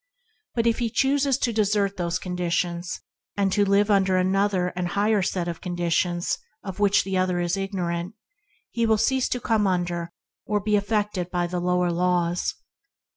But if he chooses to desert those conditions and live under another and higher set of conditions of which that other is ignorant, he will cease to come under or be affected by the lower laws.